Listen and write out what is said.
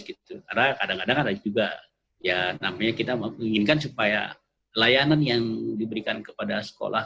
karena kadang kadang ada juga namanya kita inginkan supaya layanan yang diberikan kepada sekolah